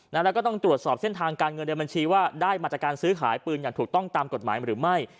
แล้วก็ต้องตรวจสอบเส้นทางการเงินในบัญชีว่าได้มาจากการซื้อขายปืนอย่างถูกต้องตามกฎหมายหรือไม่